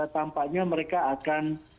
tampaknya mereka akan